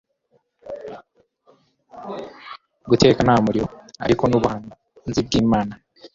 guteka nta muriro ariko n'ubuhanzi bw'Imana